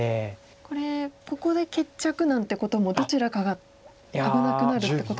これここで決着なんてこともどちらかが危なくなるってことも。